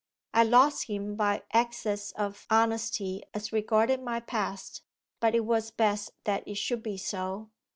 'I lost him by excess of honesty as regarded my past. But it was best that it should be so....